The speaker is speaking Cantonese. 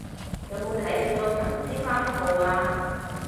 有冇睇過神之番號啊